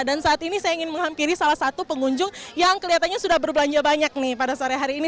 dan saat ini saya ingin menghampiri salah satu pengunjung yang kelihatannya sudah berbelanja banyak nih pada sore hari ini